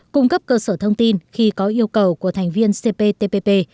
cung cấp cơ sở thông tin khi có yêu cầu của thành viên cptpp